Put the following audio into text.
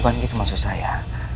bukan gitu maksud saya